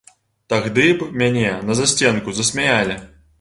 Тагды б мяне на засценку засмяялі.